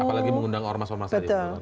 apalagi mengundang ormas ormas